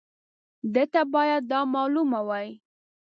ده ته باید دا معلومه وای.